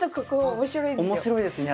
面白いですよ。